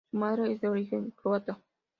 Su madre es de origen croata.